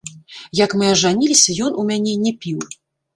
Як мы ажаніліся, ён у мяне не піў.